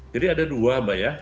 jadi ada dua mbak ya